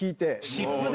湿布で？